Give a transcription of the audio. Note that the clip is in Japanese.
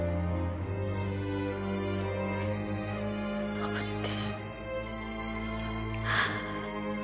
どうして？